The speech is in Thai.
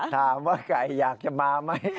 ถามว่าไก่อยากจะมาไหม